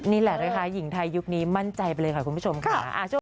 นี่แหละนะคะหญิงไทยยุคนี้มั่นใจไปเลยค่ะคุณผู้ชมค่ะ